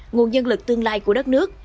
nguồn nhân lực tương lai của đất nước